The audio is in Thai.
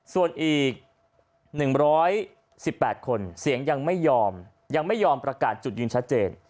ส่วนอีก๑๑๘คนเสียงยังไม่ยอมยังไม่ยอมประกาศจุดยืนชัดเจน